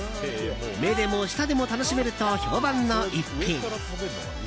目でも舌でも楽しめると評判の逸品。